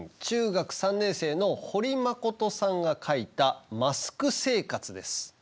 中学３年生の堀真琴さんが描いた「マスク生活」です。